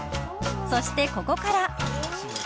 そしてここから。